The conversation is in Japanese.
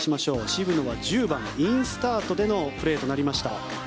渋野は１０番のインスタートでのプレーとなりました。